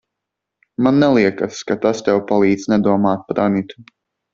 Man neliekas, ka tas tev palīdz nedomāt par Anitu.